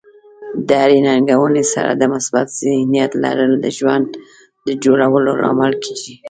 د هرې ننګونې سره د مثبت ذهنیت لرل د ژوند د جوړولو لامل کیږي.